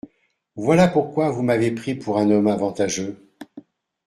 Voilà pourquoi vous m’avez pris pour un homme avantageux.